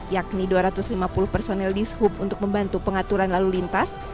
yakni dua ratus lima puluh personil di sub untuk membantu pengaturan lalu lintas